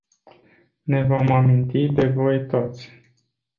Ne vom aminti de voi toți.